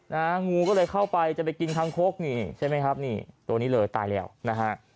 งูก็เลยเข้าไปจะไปกินคางคกนี่ใช่ไหมครับนี่ตัวนี้เลยตายแล้วนะฮะ